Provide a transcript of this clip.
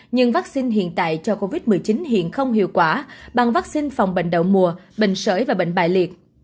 nhưng vắc xin hiện tại cho covid một mươi chín hiện không hiệu quả bằng vắc xin phòng bệnh đậu mùa bệnh sởi và bệnh bại liệt